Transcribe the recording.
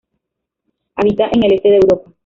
Habita en el este de Europa.